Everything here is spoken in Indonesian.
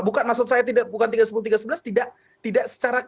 bukan maksud saya bukan pasal tiga puluh tiga sebelas